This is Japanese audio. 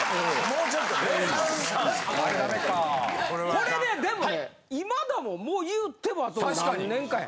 これねでもね今田ももう言うてもあと何年かや。